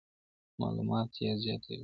معلومات یې زیاتوي.